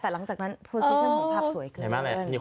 แต่หลังจากนั้นโพสิชั่นของภาพสวยขึ้น